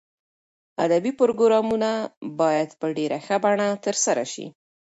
ادبي پروګرامونه باید په ډېر ښه بڼه ترسره شي.